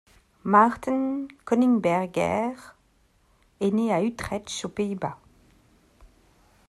Maarten Koningsberger est né à Utrecht aux Pays-Bas.